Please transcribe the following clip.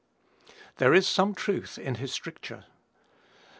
There is some truth in his stricture.